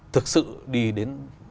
thực sự đi đến